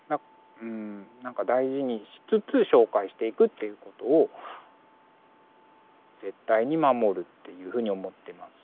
大事にしつつ紹介していくっていうことを絶対に守るっていうふうに思ってます。